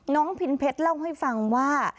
พินเพชรเล่าให้ฟังว่า